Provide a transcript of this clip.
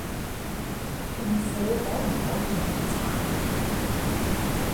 孕婦可唔可以飲茶？